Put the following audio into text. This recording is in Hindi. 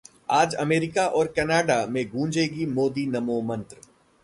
आज अमेरिका और कनाडा में गूंजेगा मोदी नमो मंत्र